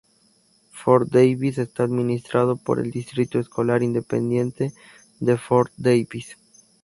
Fort Davis está administrado por el Distrito Escolar Independiente de Fort Davis.